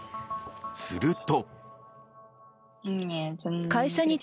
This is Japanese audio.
すると。